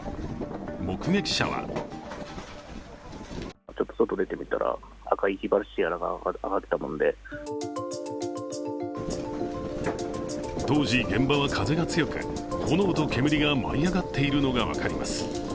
目撃者は当時現場は風が強く、炎と煙が舞い上がっているのが分かります。